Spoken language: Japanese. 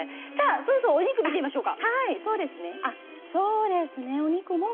そろそろお肉を見てみましょうか。